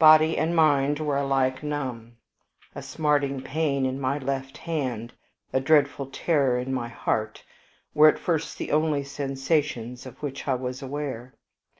Body and mind were alike numbed. A smarting pain in my left hand, a dreadful terror in my heart, were at first the only sensations of which I was aware.